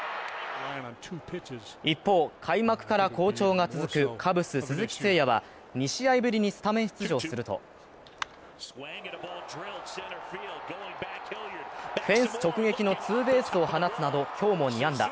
一方、開幕から好調が続くカブス鈴木誠也選手は、２試合ぶりにスタメン出場するとフェンス直撃のツーベースを放つなど、今日も２安打。